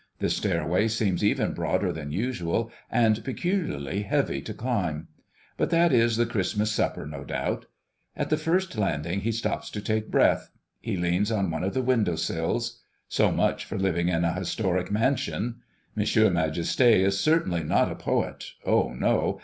The stairway seems even broader than usual, and peculiarly heavy to climb. But that is the Christmas supper, no doubt. At the first landing he stops to take breath; he leans on one of the window sills. So much for living in a historic mansion! M. Majesté is certainly not a poet, oh, no!